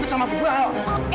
tapi kamu harus tahu